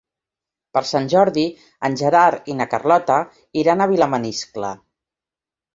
Per Sant Jordi en Gerard i na Carlota iran a Vilamaniscle.